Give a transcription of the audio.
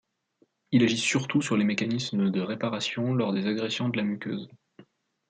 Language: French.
Il agit surtout sur les mécanismes de réparation lors des agressions de la muqueuse.